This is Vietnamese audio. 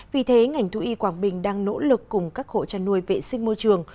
vì thế ngành thu y quảng bình đang nỗ lực cùng các hộ trà nuôi vệ sinh môi trường